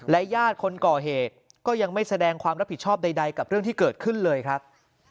ญาติคนก่อเหตุก็ยังไม่แสดงความรับผิดชอบใดกับเรื่องที่เกิดขึ้นเลยครับ